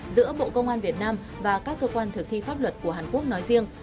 giữa bộ công an việt nam và các cơ quan thực thi pháp luật của hàn quốc nói riêng